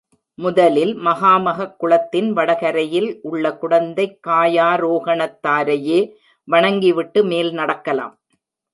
முதலில் மகாமகக் குளத்தின் வடகரையில் உள்ள குடந்தைக் காயாரோகணத்தாரையே வணங்கிவிட்டு மேல் நடக்கலாம்.